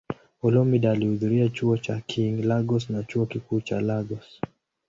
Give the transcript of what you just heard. Olumide alihudhuria Chuo cha King, Lagos na Chuo Kikuu cha Lagos.